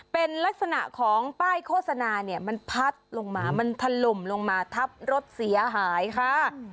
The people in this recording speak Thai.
เป็นลักษณะของป้ายโฆษณาเนี่ยมันพัดลงมามันถล่มลงมาทับรถเสียหายค่ะ